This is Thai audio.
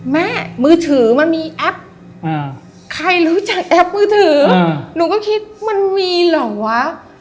มือถือมันมีแอปใครรู้จักแอปมือถือหนูก็คิดมันมีเหรอวะ